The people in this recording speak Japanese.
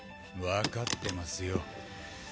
わかってますよ。